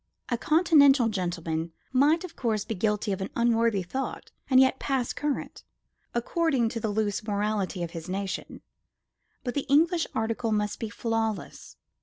A continental gentleman might, of course, be guilty of an unworthy thought and yet pass current, according to the loose morality of his nation. But the English article must be flawless.